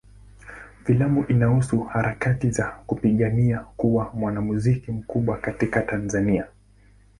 Filamu inahusu harakati za kupigania kuwa mwanamuziki mkubwa katika Tanzania.